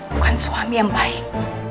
bukan suami yang baik